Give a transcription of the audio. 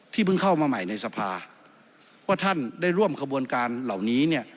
เพิ่งเข้ามาใหม่ในสภาว่าท่านได้ร่วมขบวนการเหล่านี้เนี่ย